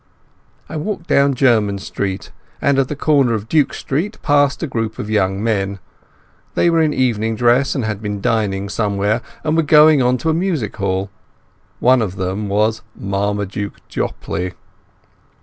I walked down Jermyn Street, and at the corner of Duke Street passed a group of young men. They were in evening dress, had been dining somewhere, and were going on to a music hall. One of them was Mr Marmaduke Jopley.